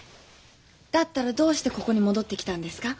だったらどうしてここに戻ってきたんですか？